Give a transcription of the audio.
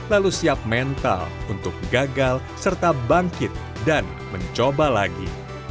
lalu siap mental untuk gagal serta bangkit dan mencoba lagi